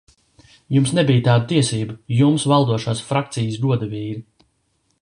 Jums nebija tādu tiesību, jums, valdošās frakcijas godavīri!